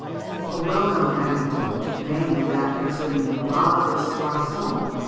A well known anecdote, namely, that concerning the Vase of Soissons (Fig.